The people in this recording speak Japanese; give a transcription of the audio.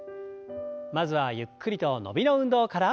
まずはゆっくりと伸びの運動から。